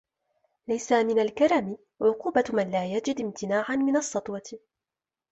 لَيْسَ مِنْ الْكَرَمِ عُقُوبَةُ مَنْ لَا يَجِدْ امْتِنَاعًا مِنْ السَّطْوَةِ